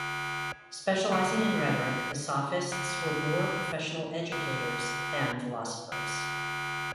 Specializing in rhetoric, the Sophists were more professional educators than philosophers.